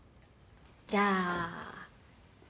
じゃあ。